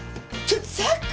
ちょっと桜！